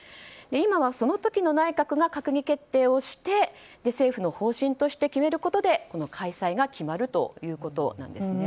今は、その時の内閣が閣議決定をして政府の方針として決めることで開催が決まるということです。